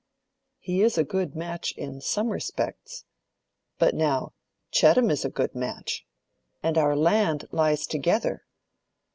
He is a good match in some respects. But now, Chettam is a good match. And our land lies together.